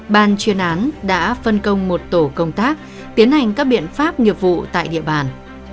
ban chuyên án đã phân công một tổ công tác tiến hành các biện pháp nghiệp vụ tại địa bàn